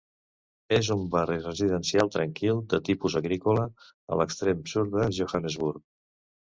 És un barri residencial tranquil de tipus agrícola a l'extrem sud de Johannesburg.